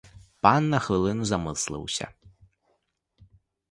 Пан на хвилину замислився.